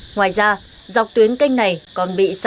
ngoài ra dọc tuyến canh này còn bị sửa